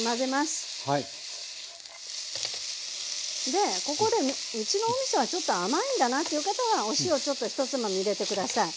でここでうちのおみそはちょっと甘いんだなっていう方はお塩ちょっとひとつまみ入れて下さい。